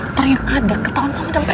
terima ada ketawa sama dalam